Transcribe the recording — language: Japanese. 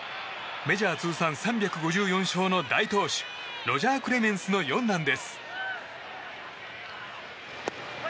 メジャー通算３５４勝の大投手ロジャー・クレメンスの四男です。